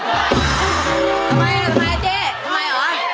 ทำไมเจ๊ทำไมเหรอ